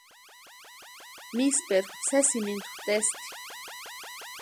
Misperu sesimintu testi.